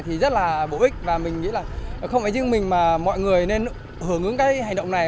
và hưởng ứng cái hành động này và mình nghĩ là không phải chỉ mình mà mọi người nên hưởng ứng cái hành động này